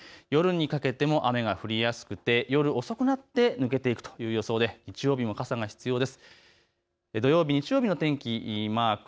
夜にかけても雨が降りやすくて、夜遅くなって抜けていくという予想で日曜日も傘が必要です。